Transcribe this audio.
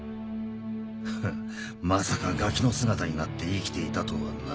フッまさかガキの姿になって生きていたとはな。